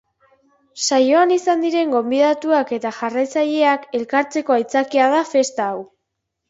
Saioan izan diren gonbidatuak eta jarraitzaileak elkartzeko aitzakia da festa hau.